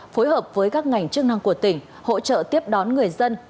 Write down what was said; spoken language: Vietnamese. phối hợp với các ngành chức năng của tỉnh hỗ trợ tiếp đón người dân